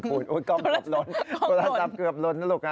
คุณกล้องเกือบล้นโทรศัพท์เกือบล้นนะลูกนะ